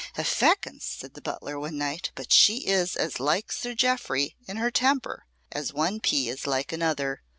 "Ifackens!" said the butler one night, "but she is as like Sir Jeoffry in her temper as one pea is like another.